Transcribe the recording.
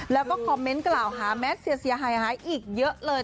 แล้วก็คอมเมนต์กล่าวหาแมทเสียหายอีกเยอะเลย